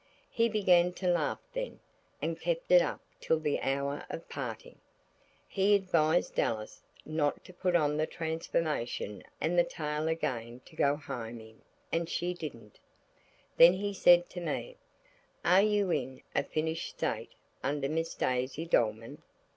He began to laugh then, and kept it up till the hour of parting. He advised Alice not to put on the transformation and the tail again to go home in, and she didn't. Then he said to me: "Are you in a finished state under Miss Daisy Dolman?"